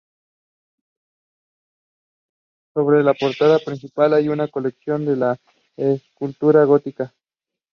His political liberalism was hardened.